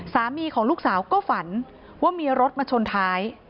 สามีของลูกสาวก็ฝันว่ามีรถมาชนท้าย